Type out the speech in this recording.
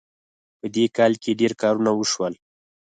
په دې کال کې ډېر کارونه وشول